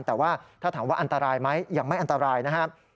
แต่ว่าถ้าถามว่าอันตรายไหมยังไม่อันตรายนะครับ